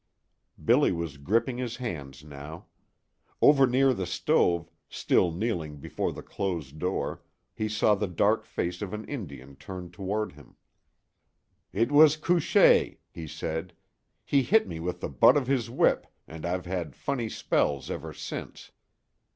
Billy was gripping his hands now. Over near the stove, still kneeling before the closed door, he saw the dark face of an Indian turned toward him. "It was Couchée," he said. "He hit me with the butt of his whip, and I've had funny spells ever since.